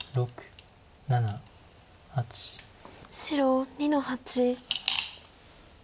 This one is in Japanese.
白２の八。